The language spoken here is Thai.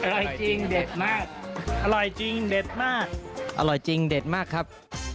อร่อยจริงเด็ดมากอร่อยจริงเด็ดมากอร่อยจริงเด็ดมากครับ